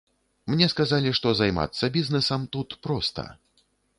Мне сказалі, што займацца бізнэсам тут проста.